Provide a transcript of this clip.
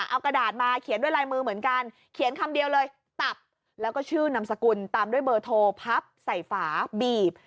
เอากระดาษมาเขียนด้วยลายมือเหมือนกันเขียนคำเดียวเลยตับแล้วก็ชื่อนามสกุลตามด้วยเบอร์โทรพับใส่ฝาบีบ